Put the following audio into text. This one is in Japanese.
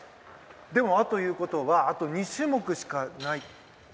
でもということはあと２種目しかない。